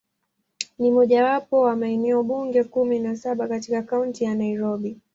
Ni mojawapo wa maeneo bunge kumi na saba katika Kaunti ya Nairobi.